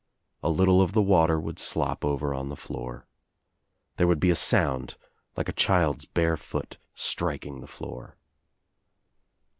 A little of the water would slop over on the floor. There would be a sound like a child's bare foot striking the floor.